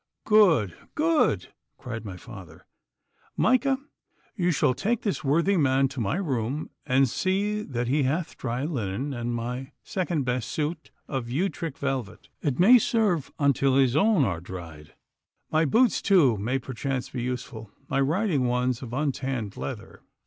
'Good! good!' cried my father. 'Micah, you shall take this worthy man to my room, and see that he hath dry linen, and my second best suit of Utrecht velvet. It may serve until his own are dried. My boots, too, may perchance be useful my riding ones of untanned leather.